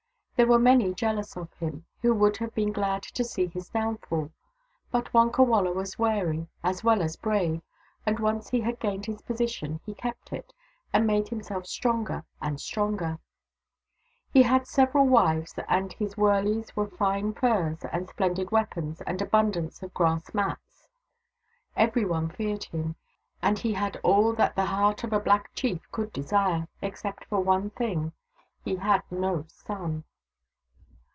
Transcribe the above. There were many jealous of him, who would have been glad to see his downfall ; but Wonkawala was wary, as well as brave, and once he had gained his position, he kept it, and made himself stronger and stronger. He had several wives, and in his wurleys were fine furs and splendid weapons and abundance of grass mats. Every one feared him, and he had all that the heart of a black chief could desire, except for one thing. He had no son.